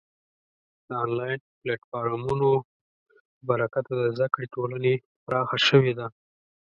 د آنلاین پلتفورمونو له برکته د زده کړې ټولنې پراخه شوې ده.